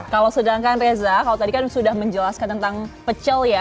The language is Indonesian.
kalau sedangkan reza kalau tadi kan sudah menjelaskan tentang pecel ya